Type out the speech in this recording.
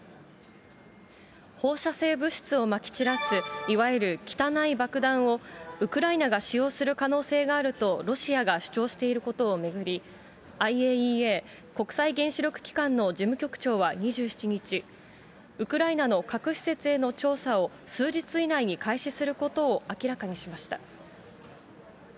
放射性物質をまき散らすいわゆる汚い爆弾をウクライナが使用する可能性があるとロシアが主張していることを巡り、ＩＡＥＡ・国際原子力機関の事務局長は２７日、ウクライナの核施設への調査を数日以内に開始することを明らかにしました。